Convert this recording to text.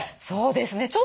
そうですね。